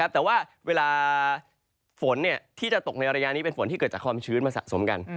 แต่ว่าเวลาฝนที่จะตกในระยะนี้เป็นฝนที่เกิดจากความชื้นมาสะสมกัน